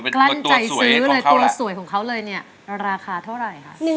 กลั้นใจซื้อเลยตัวละสวยของเขาเลยเนี่ยราคาเท่าไหร่คะ